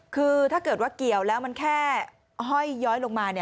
คือถ้าเกิดว่าเกี่ยวแล้วมันแค่ห้อยย้อยลงมา